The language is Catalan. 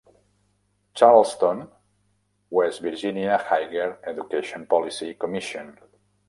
"Charleston: West Virginia Higher Education Policy Commission".